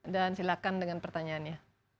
dan silakan dengan pertanyaannya